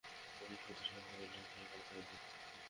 উনি শুধু সকালেই সেখানে থাকবে।